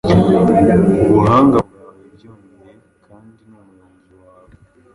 ubuhanga bwawe Byongeye kandi, numuyobozi wawe